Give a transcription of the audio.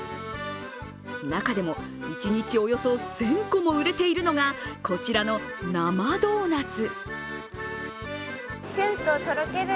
中でも一日およそ１０００個も売れているのが、こちらの生ドーナツ。